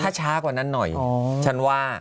ถ้าช้ากว่านั้นหน่อยฉันว่า